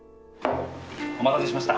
お待たせしました。